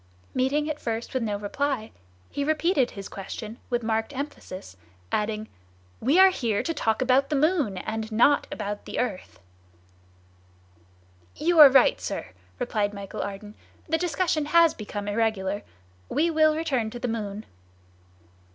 Meeting at first with no reply, he repeated his question with marked emphasis, adding, "We are here to talk about the moon and not about the earth." "You are right, sir," replied Michel Ardan; "the discussion has become irregular. We will return to the moon."